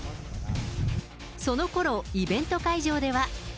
そのころ、イベント会場では。